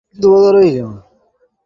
হ্যাঁ, একটা গুদামঘরের চাকরি।